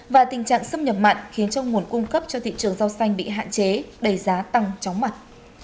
và tình trạng xâm nhập mặn khiến cho nguồn cung cấp cho thị trường rau xanh bị hạn chế đầy giá tăng chóng mặt